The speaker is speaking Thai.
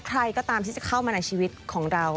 ใครก็ตามที่จะเข้ามาในชีวิตของเรา